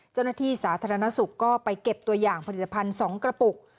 เจ้าหน้าที่สาธารณสุขก็ไปเก็บตัวอย่างผลิตภัณฑ์๒กระปุก